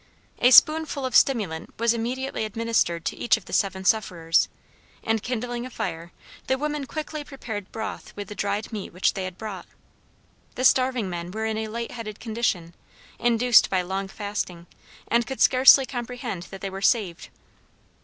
A spoonful of stimulant was immediately administered to each of the seven sufferers, and kindling a fire, the women quickly prepared broth with the dried meat which they had brought. The starving men were in a light headed condition, induced by long fasting, and could scarcely comprehend that they were saved.